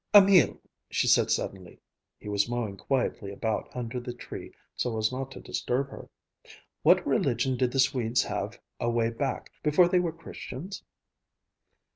"Emil," she said suddenly—he was mowing quietly about under the tree so as not to disturb her—"what religion did the Swedes have away back, before they were Christians?"